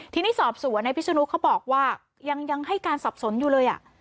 ทีนี้สอบสวนในพิศนุเขาบอกว่ายังให้การสับสนอยู่เลย